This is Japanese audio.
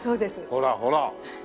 ほらほら。